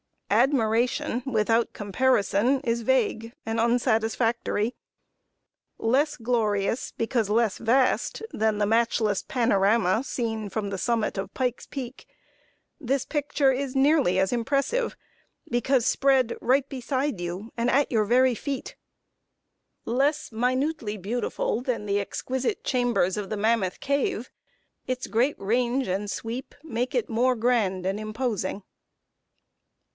Admiration without comparison is vague and unsatisfactory. Less glorious, because less vast, than the matchless panorama seen from the summit of Pike's Peak, this picture is nearly as impressive, because spread right beside you, and at your very feet. Less minutely beautiful than the exquisite chambers of the Mammoth Cave, its great range and sweep make it more grand and imposing.